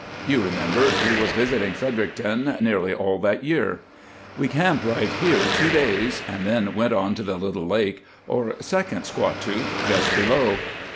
You remember he was visiting Fredericton nearly all that year. We camped right here two days, and then went on to the Little Lake, or Second Squatook, just below.